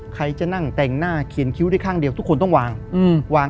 ใครจะนั่งแต่งหน้าเขียนคิ้วได้ข้างเดียวทุกคนต้องวางวาง